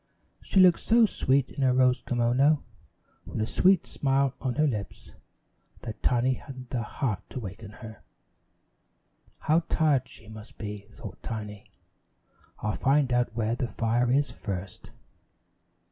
She looked so sweet in her rose kimono with a sweet smile on her lips, that Tiny hadn't the heart to waken her. "How tired she must be," thought Tiny. "I'll find out where the fire is first."